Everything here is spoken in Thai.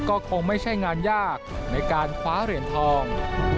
ก็คงไม่ใช่งานยากในการคว้าเหรียญทอง